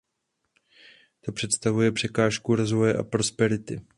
To představuje překážku rozvoje a prosperity.